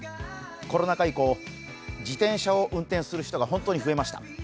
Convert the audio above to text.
コロナ禍以降、自転車を運転する人が本当に増えました。